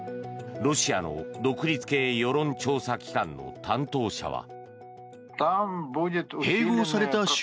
ロシアの独立系世論調査機関の担当者は。